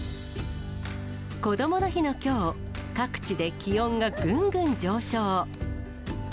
こどもの日のきょう、各地で気温がぐんぐん上昇。